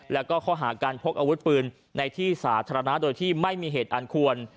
แล้วก็ข้อหาการพกอาวุธปืนในที่สาธารณะโดยที่ไม่มีเหตุอันควร